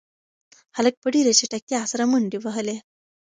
هلک په ډېرې چټکتیا سره منډې وهلې.